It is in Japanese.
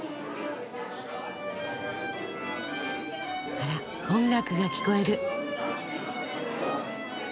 あら音楽が聞こえる。